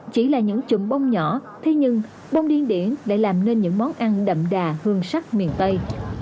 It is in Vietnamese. chỉ là những chùm bông nhỏ thế nhưng bông điên điển lại làm nên những món ăn đậm đà hương sắc miền tây